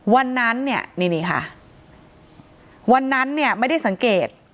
วันนั้นเนี่ยนี่นี่ค่ะวันนั้นเนี่ยไม่ได้สังเกต